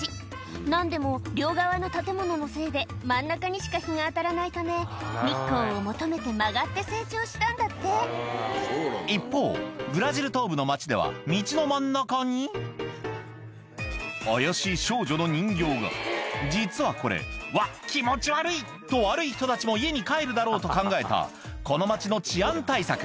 何でも両側の建物のせいで真ん中にしか日が当たらないため日光を求めて曲がって成長したんだって一方ブラジル東部の町では道の真ん中に怪しい少女の人形が実はこれ「うわ気持ち悪い！」と悪い人たちも家に帰るだろうと考えたこの町の治安対策